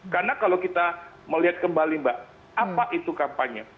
karena kalau kita melihat kembali mbak apa itu kampanye